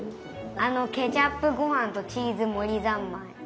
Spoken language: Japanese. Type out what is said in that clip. あのケチャップごはんとチーズもりざんまい。